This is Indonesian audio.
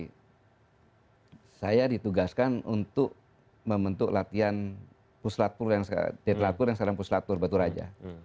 hai saya ditugaskan untuk membentuk latihan puslat pur yang sehat di laporan salam puslatur batu raja